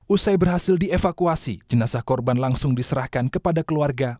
usai berhasil dievakuasi jenazah korban langsung diserahkan kepada keluarga